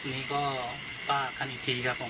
นี่ก็ว่าขั้นอีกทีครับผม